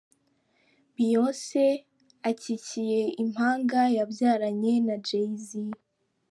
Beyonce akikiye impanga yabyaranye na Jay Z.